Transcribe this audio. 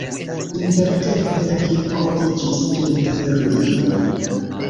Intertempe la kirko iĝis tute ruino.